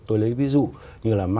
tôi lấy ví dụ như là máy